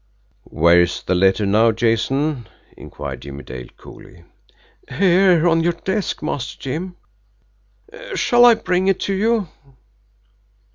"Where is the letter now, Jason?" inquired Jimmie Dale coolly. "Here on your desk, Master Jim. Shall I bring it to you?"